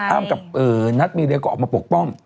อ้ำกับนัทมีเรียก็ออกมาปกป้อง